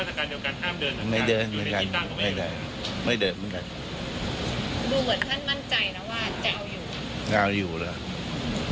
พระเจ้าจะมาชุมนุมแจ้งการข่าวไว้ดีกันไหม